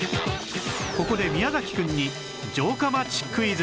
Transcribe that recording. ここで宮くんに城下町クイズ